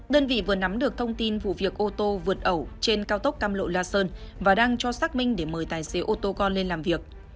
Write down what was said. đơn vị vừa nắm được thông tin vụ việc ô tô vượt ẩu trên cao tốc cam lộ la sơn và đang cho xác minh để mời tài xế ô tô con lên làm việc